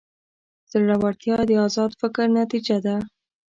زړورتیا د ازاد فکر نتیجه ده.